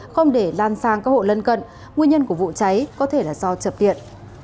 không để lan sang các hộ lân cận nguyên nhân của vụ cháy có thể là do trợp điện